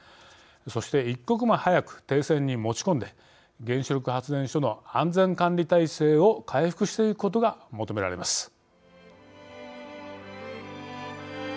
そして一刻も早く停戦に持ち込んで原子力発電所の安全管理体制を回復していくことが求められます。